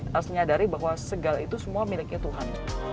harus menyadari bahwa segala itu semua miliknya tuhan